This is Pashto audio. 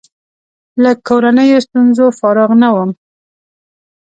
له کورنیو ستونزو فارغ نه وم.